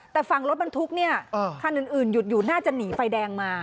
แต่ฝั่งรถมันทุกข์เนี่ยอ่าข้างอื่นหยุดน่าจะหนีไฟแดงมา